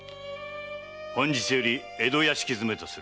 本日より江戸屋敷詰めとする。